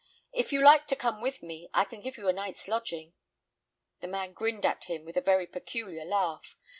"If you like to come with me, I can give you a night's lodging." The man grinned at him with a very peculiar laugh.